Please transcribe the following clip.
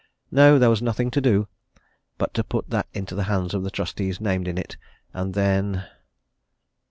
No, there was nothing to do but to put that into the hands of the trustees named in it, and then....